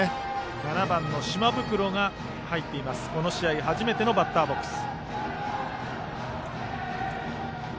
７番の島袋がこの試合初めてのバッターボックス。